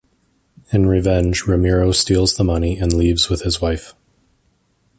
In revenge, Ramiro steals the money and leaves with his wife.